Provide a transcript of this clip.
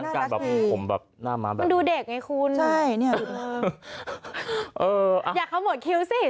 น่ารักดีดูเด็กไงคุณใช่นี่เอออย่าเข้าหมดคิ้วสิ